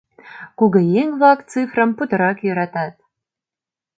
Кугыеҥ-влак цифрым путырак йӧратат.